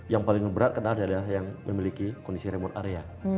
yang paling berat adalah daerah yang memiliki kondisi remote area